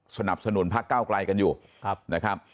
สนับสนุนพักเก้าไกลกันอยู่นะครับ